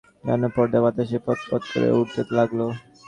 জানালার পর্দা বাতাসে পতপত করে উড়তে লাগল।